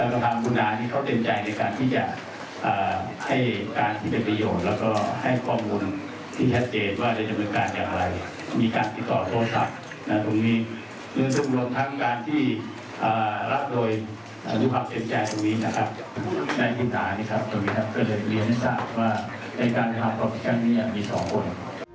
เกิดเหลือเงียนให้สาวว่าในการการภาพของพิกัดนี้มีสองคน